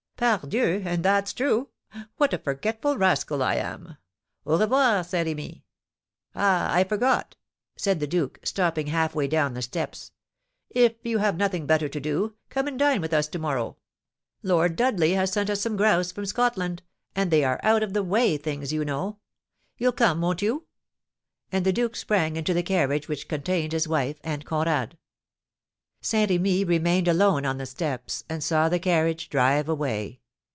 "Pardieu! and that's true. What a forgetful rascal I am! Au revoir, Saint Remy. Ah, I forgot," said the duke, stopping half way down the steps, "if you have nothing better to do, come and dine with us to morrow. Lord Dudley has sent us some grouse from Scotland, and they are out of the way things, you know. You'll come, won't you?" And the duke sprang into the carriage which contained his wife and Conrad. Saint Remy remained alone on the steps, and saw the carriage drive away.